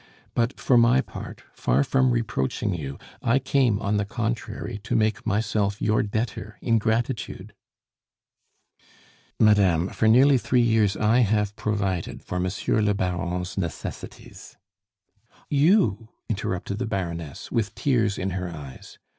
But, for my part, far from reproaching you, I came, on the contrary, to make myself your debtor in gratitude " "Madame, for nearly three years I have provided for Monsieur le Baron's necessities " "You?" interrupted the Baroness, with tears in her eyes.